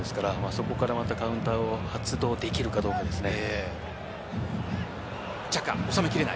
そこからまたカウンターを発動できるかどうかですね。